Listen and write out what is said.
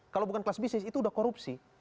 kalau bukan kelas bisnis itu sudah korupsi